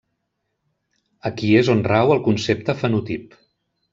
Aquí és on rau el concepte fenotip.